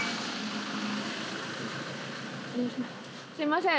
すいません